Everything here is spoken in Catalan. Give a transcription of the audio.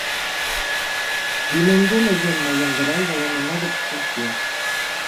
Diumenge na Gemma i en Guerau volen anar d'excursió.